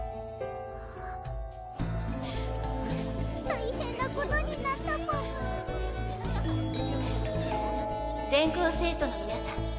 大変なことになったパムスピ−カー「全校生徒の皆さん